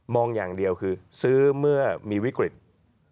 มองอย่างเดียวคือซื้อเมื่อมีความกลายชนิด